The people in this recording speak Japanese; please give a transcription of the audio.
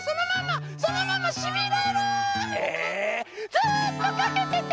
ずっとかけてて！